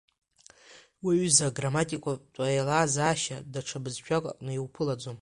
Уи аҩыза аграмматикатә еилазаашьа даҽа бызшәак аҟны иуԥылаӡом.